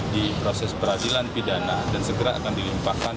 di proses peradilan pidana dan segera akan dilimpahkan